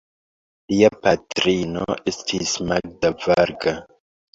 Lia patrino estis Magda Varga.